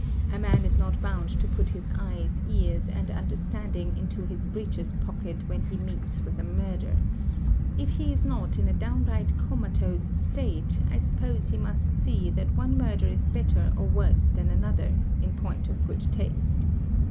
A man is not bound to put his eyes, ears, and understanding into his breeches pocket when he meets with a murder. If he is not in a downright comatose state, I suppose he must see that one murder is better or worse than another, in point of good taste.